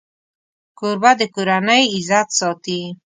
کوربه د کورنۍ عزت ساتي.